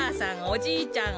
おじいちゃん